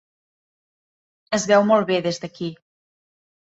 Es veu molt bé des d'aquí.